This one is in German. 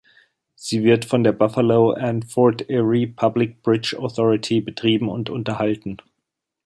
Sie wird von der Buffalo and Fort Erie Public Bridge Authority betrieben und unterhalten.